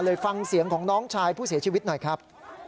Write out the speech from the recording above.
ฟังเสียงของน้องชายผู้เสียชีวิตหน่อยครับ